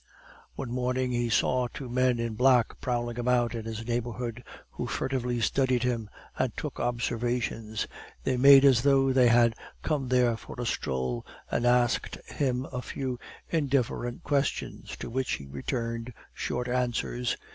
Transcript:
One morning he saw two men in black prowling about in his neighborhood, who furtively studied him and took observations. They made as though they had come there for a stroll, and asked him a few indifferent questions, to which he returned short answers.